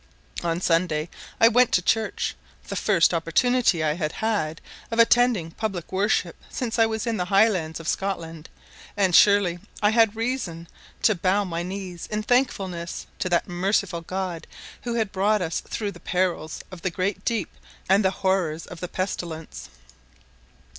On Sunday I went to church; the first opportunity I had had of attending public worship since I was in the Highlands of Scotland; and surely I had reason to bow my knees in thankfulness to that merciful God who had brought us through the perils of the great deep and the horrors of the pestilence.